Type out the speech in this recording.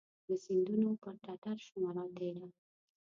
د سیندونو پر ټټرشومه راتیره